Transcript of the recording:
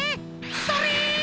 それ！